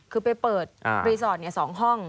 คือไปเปิดรีสอร์ท๒ห้อง